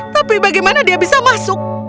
tapi bagaimana dia bisa masuk